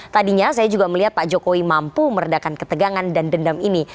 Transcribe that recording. tadinya saya juga melihat pak jokowi mampu meredakan ketegangan dan dendam ini